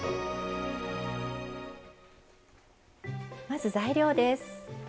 まず材料です。